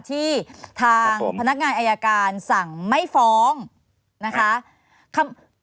ที่ทางพนักงานอายการสั่งไม่ฟ้องนะคะ